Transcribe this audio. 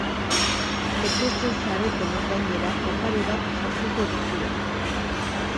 Etortzen zaretenok, gainera, opari bat jasoko duzue!